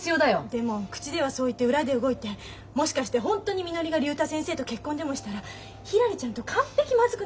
でも口ではそう言って裏で動いてもしかしてホントにみのりが竜太先生と結婚でもしたらひらりちゃんと完璧まずくなるよ。